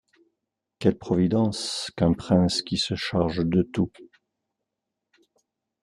Quelle providence qu’un prince qui se charge de tout!